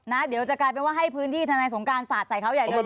เดี๋ยวจะกลายเป็นว่าให้พื้นที่ธนายสงการสาดใส่เขาใหญ่เลย